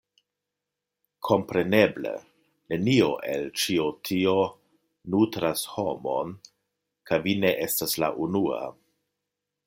Kompreneble! Nenio el ĉio tio nutras homon, kaj vi ne estas la unua.